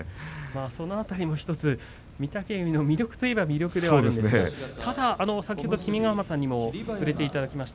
その辺りもひとつ御嶽海の魅力といえば魅力なんですが先ほど君ヶ濱さんにも触れていただきました。